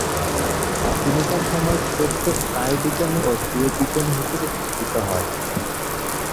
তিনি তাঁর সময়ের শ্রেষ্ঠ স্নায়ুবিজ্ঞানী ও জীববিজ্ঞানী হিসাবে স্বীকৃত হয়।